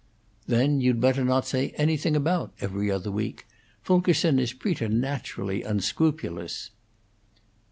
"Then you'd better not say anything about 'Every Other Week'. Fulkerson is preternaturally unscrupulous."